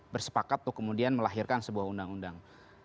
bersepakat tuh kemudian melahirkan sebuah undang undang